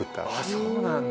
そうなんだ。